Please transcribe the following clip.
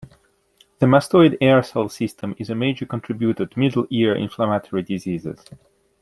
The mastoid air cell system is a major contributor to middle ear inflammatory diseases.